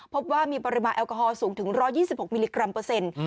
พบว่ามีปริมาณแอลกอฮอลสูงถึง๑๒๖มิลลิกรัมเปอร์เซ็นต์